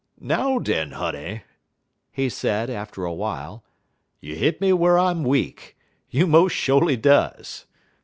"Now, den, honey," he said, after a while, "you hit me whar I'm weak you mos' sho'ly does.